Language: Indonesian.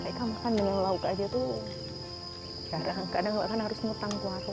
mereka makan dengan lauk aja tuh jarang kadang kadang harus mutang ke warung